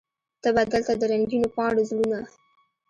ته به دلته د رنګینو پاڼو زړونه